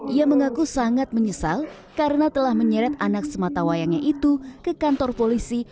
ia mengaku sangat menyesal karena telah menyeret anak sematawayangnya itu ke kantor polisi